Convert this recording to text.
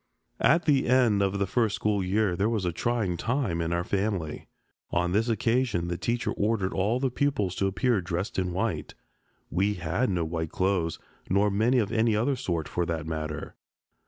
At the end of the first school year there was a trying time in our family. On this occasion the teacher ordered all the pupils to appear dressed in white. We had no white clothes, nor many of any other sort, for that matter.